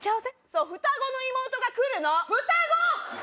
そう双子の妹が来るの双子？